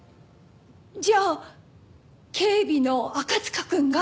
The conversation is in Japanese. じゃあ警備の赤塚くんが？